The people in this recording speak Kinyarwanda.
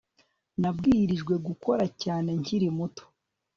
Nabwirijwe gukora cyane nkiri muto